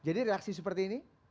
jadi reaksi seperti ini